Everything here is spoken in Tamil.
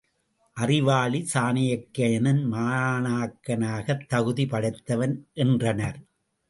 அறிவாளி சாணக்கியனின் மாணாக்கனாகத் தகுதி படைத்தவன் என்றனர்.